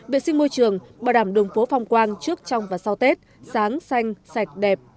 vệ sinh môi trường bảo đảm đường phố phòng quang trước trong và sau tết sáng xanh sạch đẹp